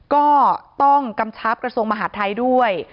ก็ต้องกำชับกระทรวงมหาดไทยด้วย